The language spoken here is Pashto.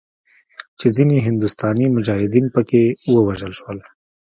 چې ځینې هندوستاني مجاهدین پکښې ووژل شول.